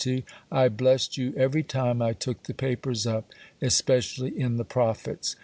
"I blessed you every time I took the papers up, especially in the Prophets.